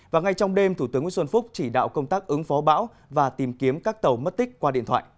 và ngay trong đêm thủ tướng nguyễn xuân phúc chỉ đạo công tác ứng phó bão và tìm kiếm các tàu mất tích qua điện thoại